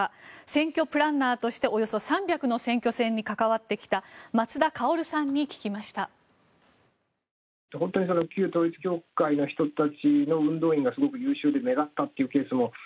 選挙プランナーとしておよそ３００の選挙戦に関わってきた松田馨さんに聞きました。